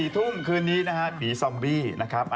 ๔ทุ่มคืนนี้นะฮะปีซอมบี้นะครับ